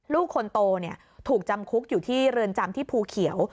ลูกคนโตถูกจำคุกอยู่ที่เรือนจำที่ภูเขียว